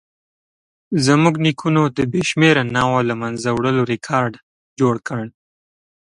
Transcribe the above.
زموږ نیکونو د بې شمېره نوعو له منځه وړلو ریکارډ جوړ کړ.